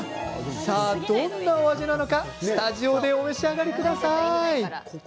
さあ、どんなお味なのかスタジオでお召し上がりください。